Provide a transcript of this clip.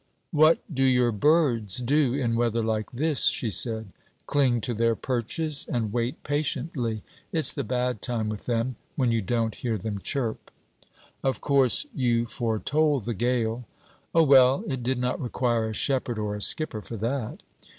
'What do your "birds" do in weather like this?' she said. 'Cling to their perches and wait patiently. It's the bad time with them when you don't hear them chirp.' 'Of course you foretold the gale.' 'Oh, well, it did not require a shepherd or a skipper for that.'